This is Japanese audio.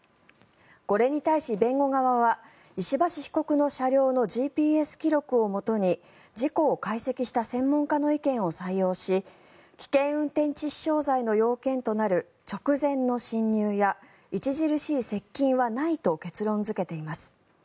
これに対し弁護側は石橋被告の車両のＧＰＳ記録をもとに事故を解析した専門家の意見を採用し危険運転致死傷罪の要件となる直前の進入や著しい接近はないと結論付けています。